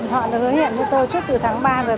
họ đã hứa hiện với tôi trước từ tháng ba rồi